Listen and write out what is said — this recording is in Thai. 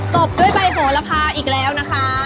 บด้วยใบโหระพาอีกแล้วนะคะ